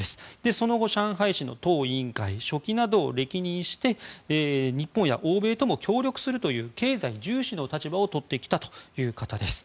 その後、上海市の党委員会書記などを歴任して日本や欧米とも協力するという経済重視の立場をとってきたという方です。